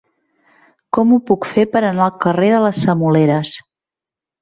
Com ho puc fer per anar al carrer de les Semoleres?